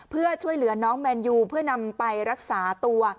เพื่อช่วยเหลือน้องแมนยูเพื่อนำไปรักษาตัว